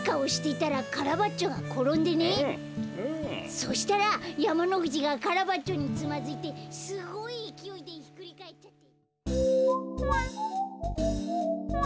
そしたらやまのふじがカラバッチョにつまずいてすごいいきおいでひっくりかえっちゃって。